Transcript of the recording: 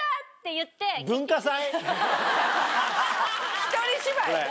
一人芝居。